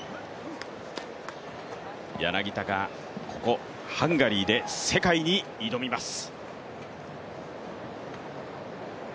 柳田がここ、ハンガリーで世界に挑みます。